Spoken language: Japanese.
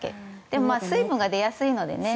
でも、水分が出やすいのでね。